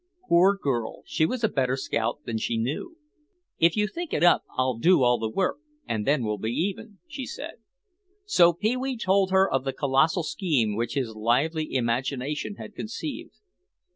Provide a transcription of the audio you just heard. Poor girl, she was a better scout than she knew. "If you think it up I'll do all the work, and then we'll be even," she said. So Pee wee told her of the colossal scheme which his lively imagination had conceived.